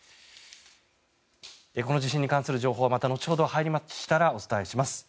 この地震に関する情報はまた後ほど入りましたらお伝えします。